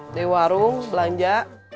dari warung belanja